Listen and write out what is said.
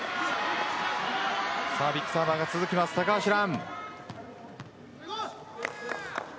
ビッグサーバーが続きます高橋藍。